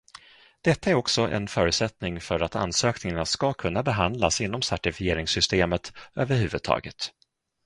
Detta är också en förutsättning för att ansökningarna ska kunna behandlas inom certifieringssystemet överhuvudtaget.